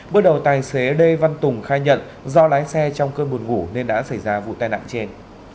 bước đầu tài xế lê văn tùng khai nhận do lái xe trong cơn buồn ngủ nên đã xảy ra vụ tai nạn trên